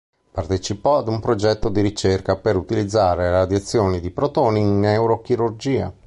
Partecipò ad un progetto di ricerca per utilizzare radiazioni di protoni in neurochirurgia.